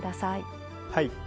はい。